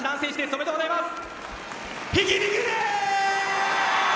おめでとうございます。